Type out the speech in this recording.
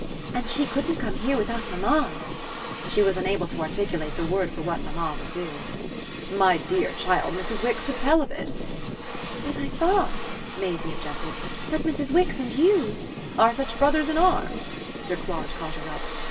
"And she couldn't come here without mamma's " She was unable to articulate the word for what mamma would do. "My dear child, Mrs. Wix would tell of it." "But I thought," Maisie objected, "that Mrs. Wix and you " "Are such brothers in arms?" Sir Claude caught her up.